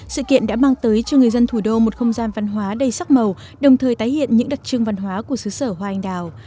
sự kiện đã mang tới cho người dân thủ đô một không gian văn hóa đầy sắc màu đồng thời tái hiện những đặc trưng văn hóa của xứ sở hoa anh đào